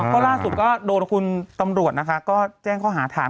พอร่างสุดก็โดนคุณตำรวจแจ้งข้อหาธาน